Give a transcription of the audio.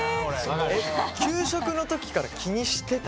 給食の時から気にしてた？